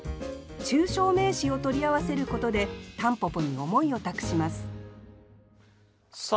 抽象名詞を取り合わせることで蒲公英に思いを託しますさあ